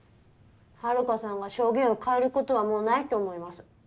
遥さんが証言を変えることはもうないと思います。